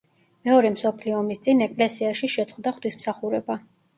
მეორე მსოფლიო ომის წინ ეკლესიაში შეწყდა ღვთისმსახურება.